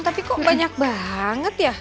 tapi kok banyak banget ya